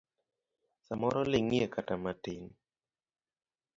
Samoro ling'ie kata matin.